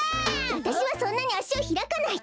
わたしはそんなにあしをひらかない！